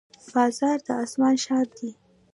باز د اسمان شاه دی